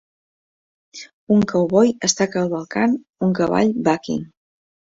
Un cowboy està cavalcant un cavall bucking.